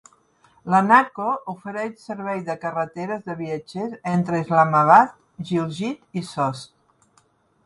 La NATCO ofereix servei de carreteres de viatgers entre Islamabad, Gilgit i Sost.